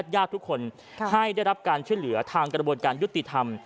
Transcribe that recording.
ญาติทุกคนให้ได้รับการช่วยเหลือทางกระบวนการยุติธรรม